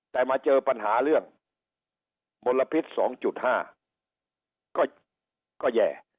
แต่มาเจอปัญหาเรื่องมลพิษ๒๕ก็แย่